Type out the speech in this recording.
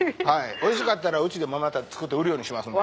おいしかったらうちでもまた作って売るようにしますんで。